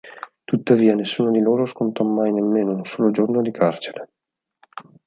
Tuttavia nessuno di loro scontò mai nemmeno un solo giorno di carcere.